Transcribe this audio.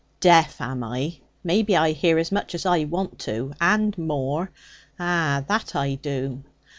'Deaf, am I? Maybe I hear as much as I want to, and more. Ah! that I do!'